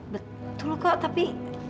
betul kok tapi